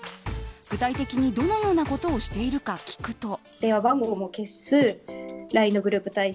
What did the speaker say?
具体的にどのようなことをしているか聞くと。